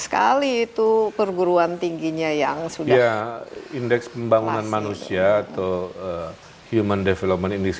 sekali itu perguruan tingginya yang sudah indeks pembangunan manusia atau human development